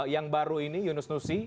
yang baru ini yunus nusi